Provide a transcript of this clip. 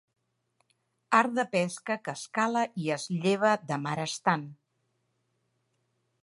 Art de pesca que es cala i es lleva de mar estant.